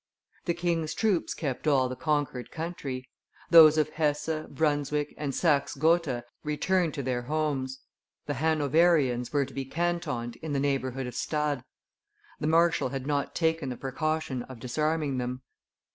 The king's troops kept all the conquered country; those of Hesse, Brunswick, and Saxe Gotha returned to their homes; the Hanoverians were to be cantoned in the neighborhood of Stade. The marshal had not taken the precaution of disarming them.